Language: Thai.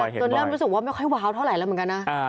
จนเริ่มรู้สึกว่าไม่ค่อยว้าวเท่าไหร่แล้วเหมือนกันนะ